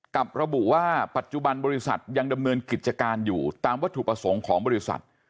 กับระบุว่าปัจจุบันบริษัทยังดำเนินกิจการอยู่ตามวัตถุประสงค์ของบริษัท